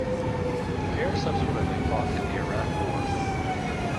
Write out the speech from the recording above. The pair subsequently fought in the Iraq War.